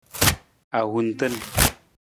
Ahuntung.